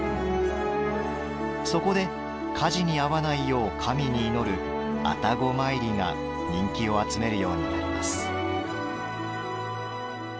そこで、火事に遭わないよう神に祈る愛宕詣りが人気を集めるようになります。